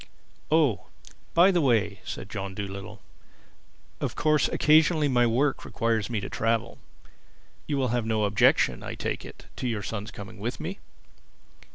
"Oh, by the way," said John Dolittle, "of course occasionally my work requires me to travel. You will have no objection, I take it, to your son's coming with me?"